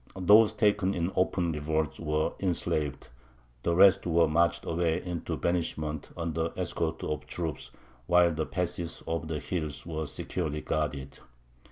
Those taken in open revolt were enslaved, the rest were marched away into banishment under escort of troops, while the passes of the hills were securely guarded.